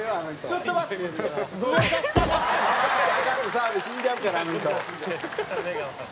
ちょっと待って。